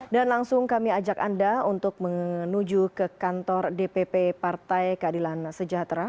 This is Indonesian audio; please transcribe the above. dan langsung kami ajak anda untuk menuju ke kantor dpp partai keadilan sejahtera